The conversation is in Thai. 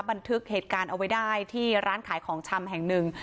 บันทึกเหตุการณ์เอาไว้ได้ที่ร้านขายของชำแห่งหนึ่ง